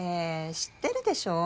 知ってるでしょ。